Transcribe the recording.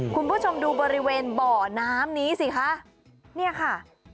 คุณผู้ชมดูบริเวณบ่อน้ำนี้สิคะเนี่ยค่ะ